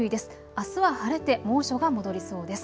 あすは晴れて猛暑が戻りそうです。